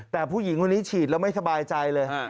แต่ผู้หญิงคนนี้ฉีดแล้วไม่สบายใจเลย